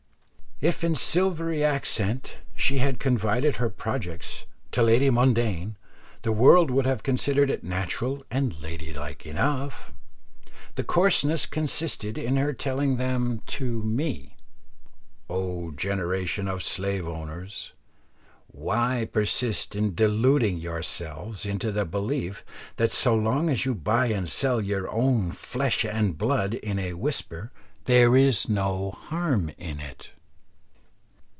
If in silvery accents she had confided her projects to Lady Mundane, the world would have considered it natural and ladylike enough; the coarseness consisted in her telling them to me. O generation of slave owners! why persist in deluding yourselves into the belief, that so long as you buy and sell your own flesh and blood in a whisper there is no harm in it?